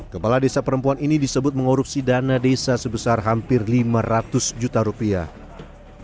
kepala desa perempuan ini disebut mengorupsi dana desa sebesar hampir lima ratus juta rupiah